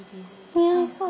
似合いそう。